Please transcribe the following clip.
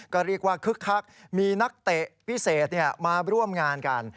ก็เรียกว่าคึกคักมีนักเตะพิเศษมาร่วมงานกัน